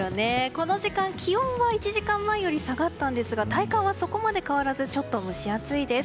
この時間、気温は１時間前より下がったんですが体感はそこまで変わらずちょっと蒸し暑いです。